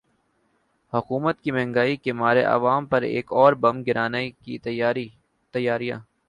حکومت کی مہنگائی کے مارے عوام پر ایک اور بم گرانے کی تیاریاں